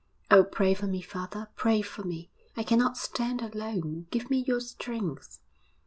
'Oh, pray for me, father, pray for me! I cannot stand alone. Give me your strength.'